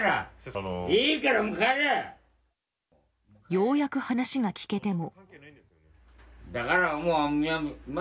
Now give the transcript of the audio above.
ようやく話が聞けても。